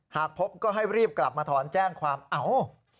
หากพบก็ให้รีบกลับมาถอนแจ้งความเอ้า